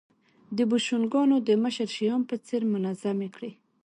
د بوشونګانو د مشر شیام په څېر منظمې کړې